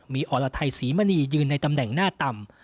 มีอรไทยศรีมณียืนในตำแหน่งหน้าต่ำ